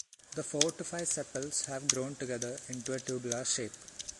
The four to five sepals have grown together into a tubular shape.